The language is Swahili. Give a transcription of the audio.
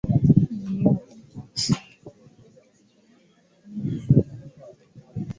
madaktari walimshauri norris akate miguu yote